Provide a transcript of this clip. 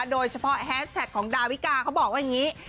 แฮสแท็กของดาวิกาเขาบอกว่าอย่างนี้